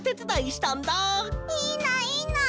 いいないいな！